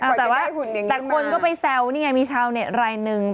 แต่ก่อนจะได้หุ่นอย่างนี้มากแต่คนก็ไปแซวนี่ไงมีชาวเน็ตรายนึง